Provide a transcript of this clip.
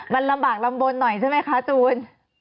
มันลำบากลำบลหน่อยใช่ไหมคะจูน